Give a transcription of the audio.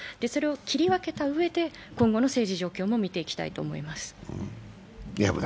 それを切り分けたうえで今後の政治状況も見ていきたいと思います。